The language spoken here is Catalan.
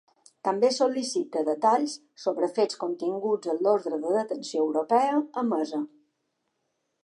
També sol·licita detalls sobre fets continguts en l’ordre de detenció europea emesa.